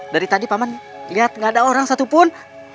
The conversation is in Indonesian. dari tadi paman lihat gak ada orang satupun